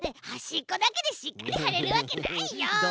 はしっこだけでしっかりはれるわけないよ。